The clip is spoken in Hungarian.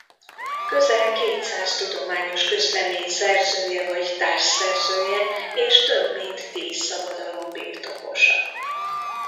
Közel kétszáz tudományos közlemény szerzője vagy társszerzője és több mint tíz szabadalom birtokosa.